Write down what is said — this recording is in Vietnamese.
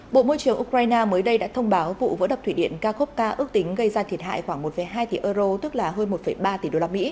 bộ môi trường ukraine mới đây đã thông báo vụ vỡ đập thủy điện cakovca ước tính gây ra thiệt hại khoảng một hai tỷ euro tức là hơn một ba tỷ usd